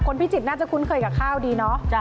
พิจิตรน่าจะคุ้นเคยกับข้าวดีเนาะ